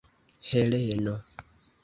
Heleno!